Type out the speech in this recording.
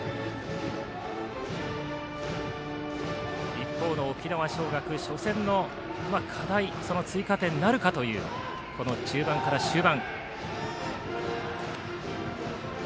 一方の沖縄尚学初戦の課題追加点なるかというこの中盤から終盤。